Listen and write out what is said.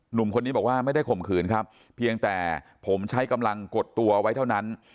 หนุ่มคนนี้บอกว่าไม่ได้ข่มขืนครับเพียงแต่ผมใช้กำลังกดตัวไว้เท่านั้น